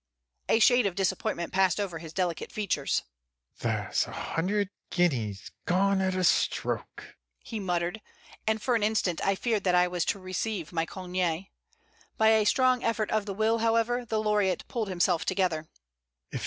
A shade of disappointment passed over his delicate features. "There's a hundred guineas gone at a stroke," he muttered, and for an instant I feared that I was to receive my congé. By a strong effort of the will, however, the laureate pulled himself together.